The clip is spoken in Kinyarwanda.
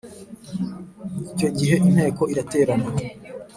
icyo gihe Inteko iraterana